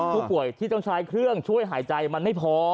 ผู้ป่วยที่ต้องใช้เครื่องช่วยหายใจมันไม่พอ